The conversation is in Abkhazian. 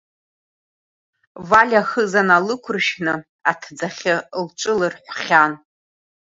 Валиа ахыза налықәыршәны аҭӡахьы лҿы лырҳәхьан.